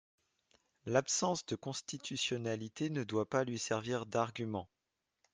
L’absence de constitutionnalité ne doit pas lui servir d’argument.